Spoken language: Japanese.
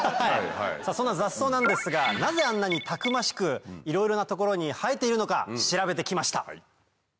そんな雑草なんですがなぜあんなにたくましくいろいろな所に生えているのか調べて来ました。